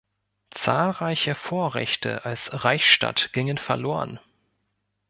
Zahlreiche Vorrechte als Reichsstadt gingen verloren.